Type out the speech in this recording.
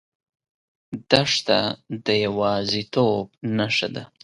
دښته د یوازیتوب نښه ده.